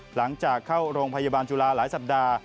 หลังจากเข้าโรงพยาบาลจุฬาหลายสัปดาห์